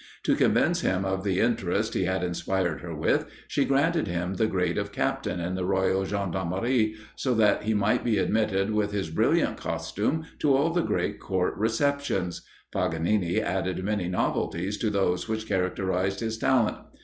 To convince him of the interest he had inspired her with, she granted him the grade of captain in the royal gendarmerie, so that he might be admitted with his brilliant costume to all the great Court receptions. Paganini added many novelties to those which characterised his talent.